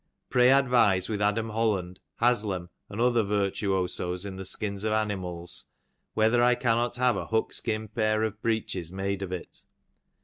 Pray advise with Adam Holland — Haslam — and other vu tuosos in the skina of animals, whether I cannot have a buck skiu pair of breeches made of it.